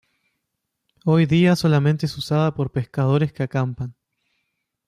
Hoy día solamente es usada por pescadores que acampan.